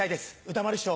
歌丸師匠